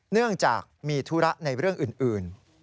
เนื่องจากมีธุระในเรื่องอื่น